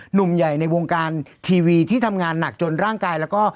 หนุ่มใหญ่ในวงการทีวีที่ทำงานหนักจนร่างกายแล้วก็